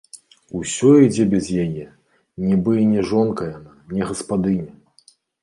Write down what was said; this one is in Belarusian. Усё ідзе без яе, нібы і не жонка яна, не гаспадыня!